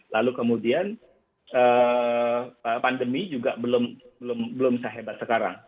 lalu kemudian pandemi juga belum sehebat sekarang